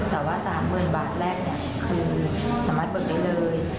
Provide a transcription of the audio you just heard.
แต่ว่า๓๐๐๐บาทแรกคือสามารถเบิกได้เลย